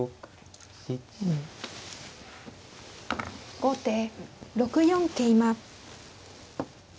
後手６四桂馬。